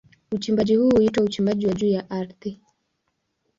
Uchimbaji huu huitwa uchimbaji wa juu ya ardhi.